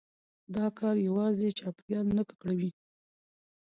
دا کار يوازي چاپېريال نه ککړوي،